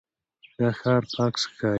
دا ښار پاک ښکاري.